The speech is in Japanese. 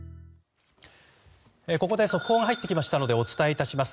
ここで速報が入ってきたのでお伝えいたします。